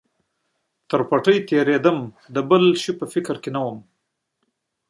له پټۍ څخه تېرېدم، د بل کوم شي په فکر کې نه ووم.